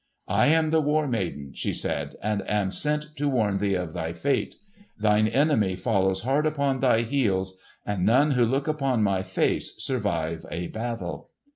"I am the War Maiden," she said, "and am sent to warn thee of thy fate. Thine enemy follows hard upon thy heels; and none who look upon my face survive a battle."